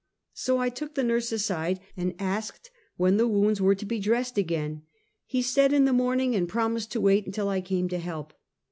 So I took the nurse aside, and asked when the wounds were to be dressed again. He said in the morning, and promised to wait until I came to help.